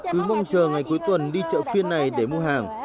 cứ mong chờ ngày cuối tuần đi chợ phiên này để mua hàng